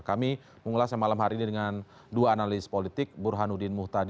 kami mengulasnya malam hari ini dengan dua analis politik burhanuddin muhtadi